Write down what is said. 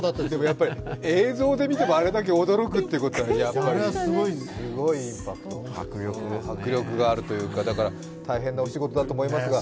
やっぱり映像で見てもあれだけ驚くということはすごいインパクト、迫力があるというかだから大変なお仕事だと思いますが。